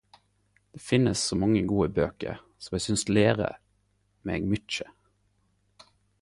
Det finnes så mange gode bøker som eg syns lærer meg mykje.